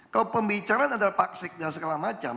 kalau pembicaraan adalah pak sekda dan segala macam